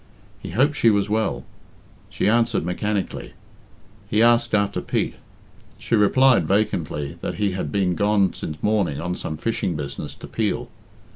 He hoped she was well. She answered mechanically. He asked after Pete. She replied vacantly that he had been gone since morning on some fishing business to Peel.